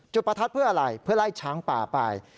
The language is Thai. ประทัดเพื่ออะไรเพื่อไล่ช้างป่าไป